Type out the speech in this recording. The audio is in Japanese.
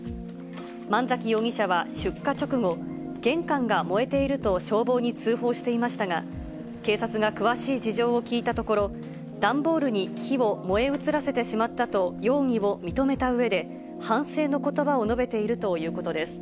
万崎容疑者は出火直後、玄関が燃えていると消防に通報していましたが、警察が詳しい事情を聴いたところ、段ボールに火を燃え移らせてしまったと容疑を認めたうえで、反省のことばを述べているということです。